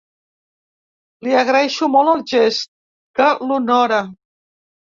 Li agraeixo molt el gest, que l’honora.